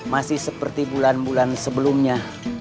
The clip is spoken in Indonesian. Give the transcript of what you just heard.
masih seperti bulan bulan sebelumnya